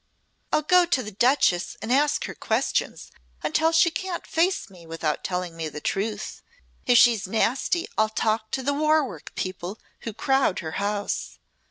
"I'll go to the Duchess and ask her questions until she can't face me without telling the truth. If she's nasty I'll talk to the War Work people who crowd her house.